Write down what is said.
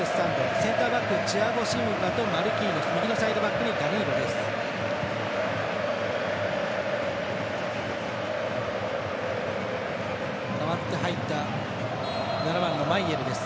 センターバックチアゴ・シウバとマルキーニョス右のサイドバックにダニーロです。